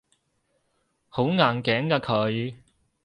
好硬頸㗎佢